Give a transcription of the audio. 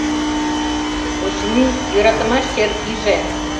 Очыни, йӧратымаш чер пиже.